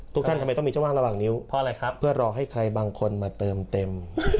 ท่านทำไมต้องมีเจ้าว่างระหว่างนิ้วเพราะอะไรครับเพื่อรอให้ใครบางคนมาเติมเต็ม